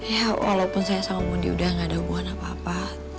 ya walaupun saya sama mudi udah gak ada hubungan apa apa